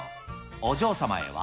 お嬢様へは？